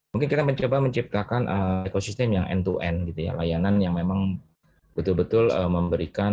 mungkin kita mencoba menciptakan ekosistem yang end to end gitu ya layanan yang memang betul betul memberikan